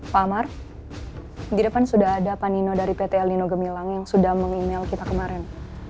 pak amar di depan sudah ada pak nino dari pt lino gemilang yang sudah meng email kita kemarin